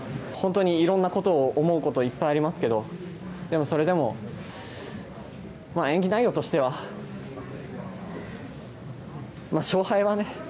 本当にいろんなことを思うこといっぱいありますけどでもそれでも演技内容としては勝敗はね